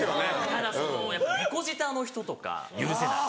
ただそのやっぱ猫舌の人とか許せない。